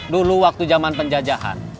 dulu waktu jaman tersebut